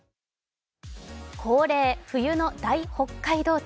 恒例、冬の大北海道展